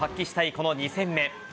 この２戦目。